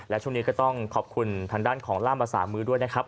และช่วงนี้ก็ต้องขอบคุณทางด้านของล่ามภาษามือด้วยนะครับ